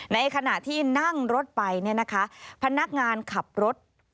ในขณะที่นั่งรถไปพนักงานขับรถ